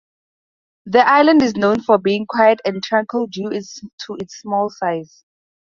The island is known for being quiet and tranquil due to its small size.